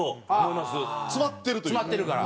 詰まってるというか。